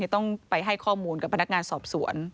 ต้องไปให้ข้อมูลกับพนักงานสอบสวน